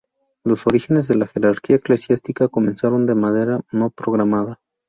Los orígenes de la jerarquía eclesiástica comenzaron de manera no programada.